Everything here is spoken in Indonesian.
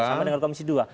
bersama dengan komisi dua